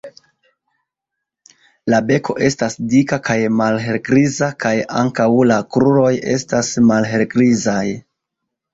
La beko estas dika kaj malhelgriza kaj ankaŭ la kruroj estas malhelgrizaj.